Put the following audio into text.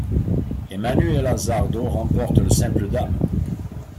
Emanuela Zardo remporte le simple dames.